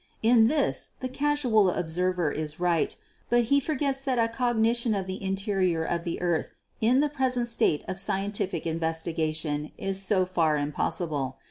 In this the casual observer is right, but he for gets that a cognition of the interior of the earth in the present state of scientific investigation is so far impossible.